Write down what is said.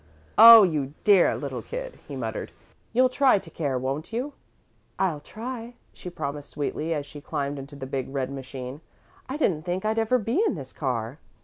Oh, you dear little kid," he muttered, "you'll try to care, won't you?" "I'll try," she promised, sweetly, as she climbed into the big red machine. "I didn't think I'd ever be in this car."